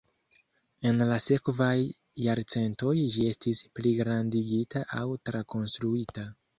En la sekvaj jarcentoj ĝi estis pligrandigita aŭ trakonstruita.